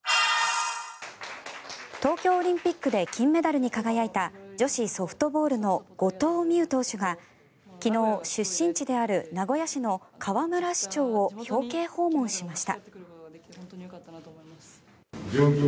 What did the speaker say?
東京オリンピックで金メダルに輝いた女子ソフトボールの後藤希友投手が昨日、出身地である名古屋市の河村市長を表敬訪問しました。